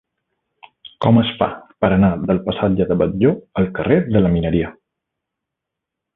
Com es fa per anar del passatge de Batlló al carrer de la Mineria?